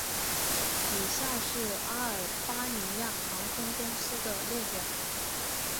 以下是阿尔巴尼亚航空公司的列表